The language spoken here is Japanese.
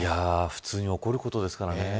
普通に起こることですからね。